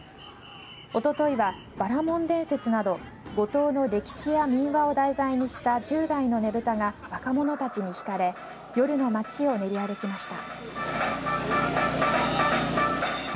おとといは、ばらもん伝説など五島の歴史や民話を題材にした１０台のねぶたが若者たちに引かれ夜の街を練り歩きました。